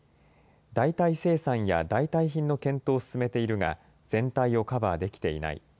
代替生産や代替品の検討を進めているが、全体をカバーできていない。